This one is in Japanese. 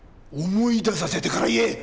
思い出させてから言え！